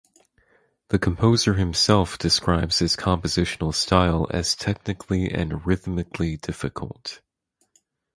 The composer himself describes his compositional style as technically and rhythmically difficult.